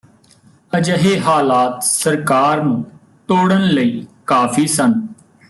ਅਜਿਹੇ ਹਾਲਾਤ ਸਰਕਾਰ ਨੂੰ ਤੋੜਨ ਲਈ ਕਾਫ਼ੀ ਸਨ